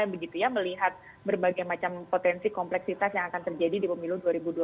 begitu ya melihat berbagai macam potensi kompleksitas yang akan terjadi di pemilu dua ribu dua puluh